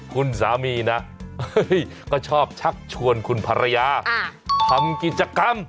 คุณสามีนะก็ชอบชักชวนคุณภรรยาทำกิจกรรม